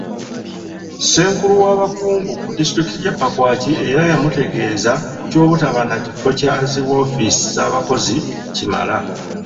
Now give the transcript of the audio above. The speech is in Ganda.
Ssenkulu w'abakungu ku disitulikiti y'e Pakwach era yamutegeeza ku ky'obutaba na kifo kya zi woofiisi z'abakozi kimala.